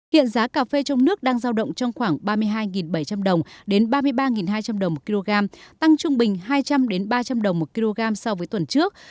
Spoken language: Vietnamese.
hiện giá cà phê trong nước đang giao động trong khoảng ba mươi hai bảy trăm linh đồng đến ba mươi ba hai trăm linh đồng một kg tăng trung bình hai trăm linh ba trăm linh đồng một kg so với tuần trước